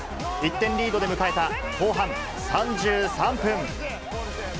１点リードで迎えた後半３３分。